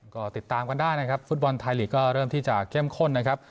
ก็ติดตามกันได้นะครับฟุตบอลไทยลีกก็เริ่มที่จะเข้มข้นนะครับ